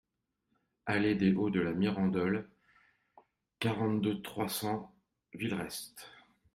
Allée des Hauts de la Mirandole, quarante-deux, trois cents Villerest